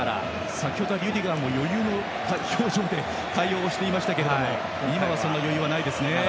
先程はリュディガーも余裕の表情で対応をしていましたが今はその余裕はないですね。